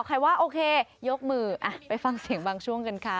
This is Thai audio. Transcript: ใครว่าโอเคยกมือไปฟังเสียงบางช่วงกันค่ะ